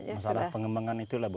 masalah pengembangan itulah bu